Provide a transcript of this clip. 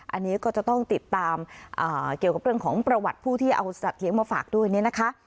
อันนี้ก็จะต้องติดตามเกี่ยวกับเรื่องของประวัติผู้ที่เอาสัตว์เลี้ยงมาฝากด้วยเนี่ยนะคะ